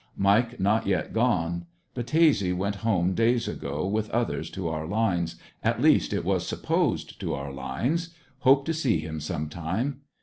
Mike not yet gone. Battese went some days ago with others to our lines, at least it was supposed to our lines. Hope to see him sometime.